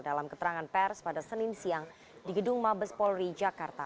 dalam keterangan pers pada senin siang di gedung mabes polri jakarta